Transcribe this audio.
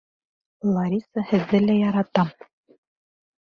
Лариса, һеҙҙе лә яратам!